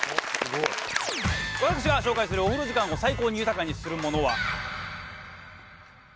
私が紹介するお風呂時間を最高に豊かにするものは。